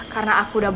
karena aku udah